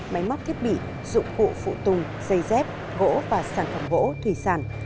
máy móc thiết bị dụng cụ phụ tùng dây dép gỗ và sản phẩm gỗ thủy sản